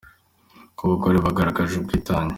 ku bagore bagaragaje ubwitange.